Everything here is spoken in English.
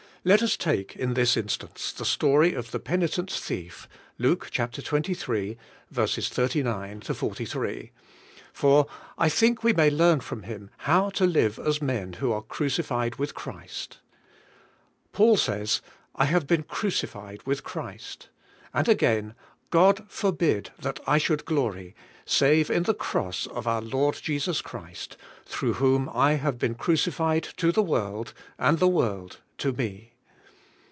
Let us take in this instance the story of the penitent thief, Luke 23: 39 43, for I think we may learn from him how to live as men who are crucified with Christ. Paul says: "I have been crucified with Christ." And again: "God forbid that I should glory, save in the cross of our Lord Jesus Christ, through whom I have been crucified to the world, and the world to me."